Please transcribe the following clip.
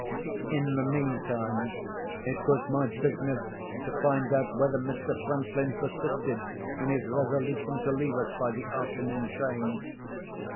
In the meantime, it was my business to find out whether Mr. Franklin persisted in his resolution to leave us by the afternoon train.